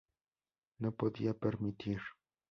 No podía permitir.